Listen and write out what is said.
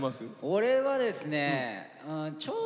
俺はですね